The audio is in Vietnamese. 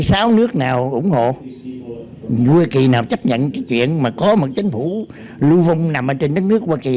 các quốc gia nào ủng hộ quốc gia nào chấp nhận cái chuyện mà có một chính phủ lưu vong nằm trên đất nước của quốc kỳ